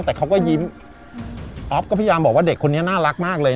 แต่เขาก็ยิ้มออฟก็พยายามบอกว่าเด็กคนนี้น่ารักมากเลย